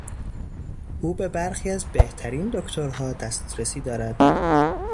او به برخی از بهترین دکترها دسترسی دارد.